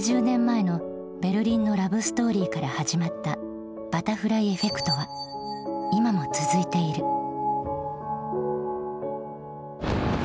６０年前のベルリンのラブストーリーから始まった「バタフライエフェクト」は今も続いている。